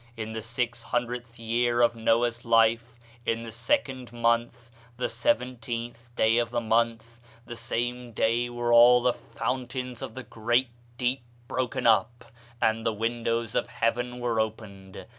In the six hundredth year of Noah's life, in the second month, the seventeenth day of the month, the same day were all the fountains of the great deep broken up, and the windows of heaven were opened.